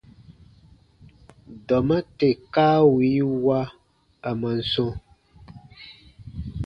Dɔma tè kaa wii wa, a man sɔ̃: